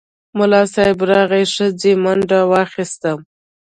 ملا صیب راغی، ښځې منډه واخیسته.